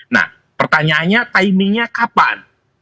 nah pertanyaannya timingnya kapan